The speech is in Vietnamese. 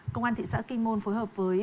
công an thị xã kinh môn phối hợp với